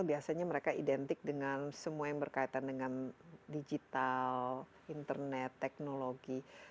biasanya mereka identik dengan semua yang berkaitan dengan digital internet teknologi